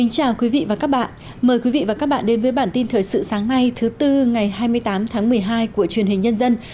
chào mừng quý vị đến với bản tin thời sự sáng nay thứ tư ngày hai mươi tám tháng một mươi hai của truyền hình nhân dân